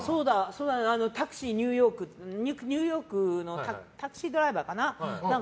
ニューヨークのタクシードライバーかな？